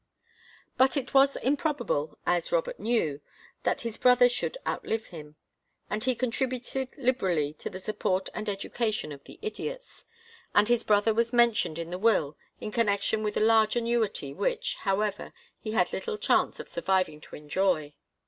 But it was improbable, as Robert knew, that his brother should outlive him, and he contributed liberally to the support and education of the idiots, and his brother was mentioned in the will in connection with a large annuity which, however, he had little chance of surviving to enjoy.